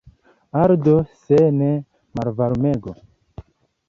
Ardo, se ne, malvarmego!